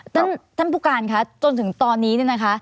ท่านท่านผู้การคะจนถึงตอนนี้เนี่ยนะคะ